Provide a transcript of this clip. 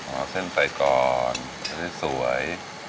เอาเส้นใส่ก่อนจะได้สวย